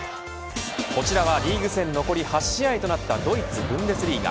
こちらはリーグ戦残り８試合となったドイツ、ブンデスリーガ。